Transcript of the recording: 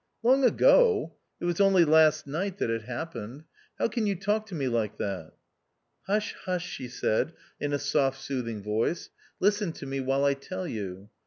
"Long ago ! it was only last night that it happened. How can you talk to me like that ?"" Hush, hush," she said, in a soft soothing 2i8 THE OUTCAST. voice, " listen to me while I tell you.